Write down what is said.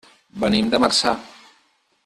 Venim de Marçà.